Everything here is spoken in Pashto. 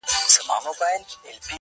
د مالدارو په کورونو په قصرو کي،